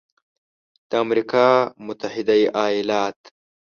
د امریکا متحده ایالات